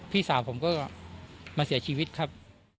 พี่สาวผมก็มาเสียชีวิตครับ